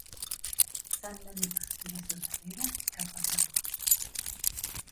S'han de nugar des de darrere cap avant.